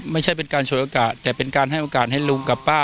ไม่ใช่เป็นการฉวยโอกาสแต่เป็นการให้โอกาสให้ลุงกับป้า